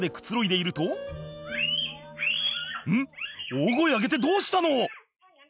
大声上げてどうしたの？